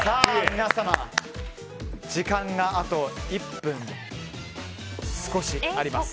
皆様、時間があと１分少しあります。